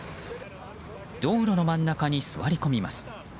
道路の真ん中に座り込みます。